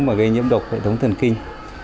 mà gây nhiễm độc hệ thống thần kinh